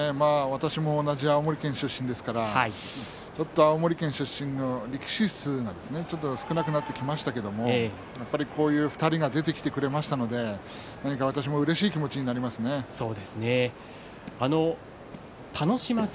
私も同じ青森県出身ですからちょっと青森県出身の力士数が少なくなってきましたけれどもこういう２人が出てきてくれましたのでなんか私もうれしい気持ちになります。